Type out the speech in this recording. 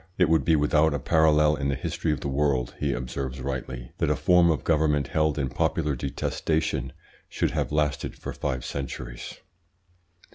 "It would be without a parallel in the history of the world," he observes rightly, "that a form of government held in popular detestation should have lasted for five centuries.